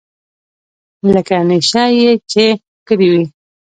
لکه نېشه چې يې کړې وي.